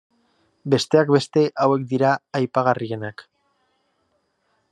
Besteak beste, hauek dira aipagarrienak.